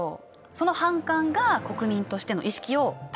その反感が国民としての意識を高めていったってわけ。